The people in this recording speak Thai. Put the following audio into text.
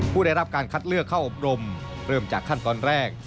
ผู้ได้รับการคัดเลือกเข้าอบรมเริ่มจากขั้นตอนแรก